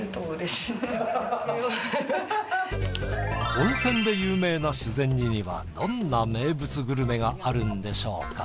温泉で有名な修善寺にはどんな名物グルメがあるんでしょうか。